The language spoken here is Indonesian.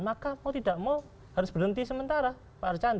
maka mau tidak mau harus berhenti sementara